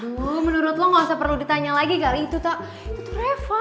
duh menurut lo ga usah ditanya lagi gara itu tuh reva